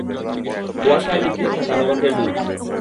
কুয়াশায় লুকিয়ে থাকা নরকের দূত!